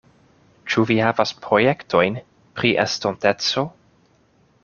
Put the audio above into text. Ĉu vi havas projektojn pri estonteco?